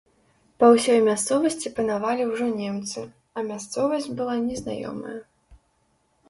Па ўсёй мясцовасці панавалі ўжо немцы, а мясцовасць была незнаёмая.